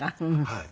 はい。